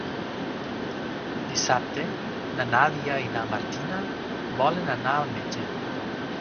Dissabte na Nàdia i na Martina volen anar al metge.